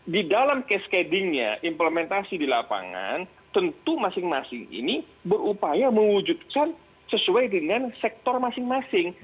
di dalam cascadingnya implementasi di lapangan tentu masing masing ini berupaya mewujudkan sesuai dengan sektor masing masing